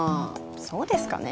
そうですかね？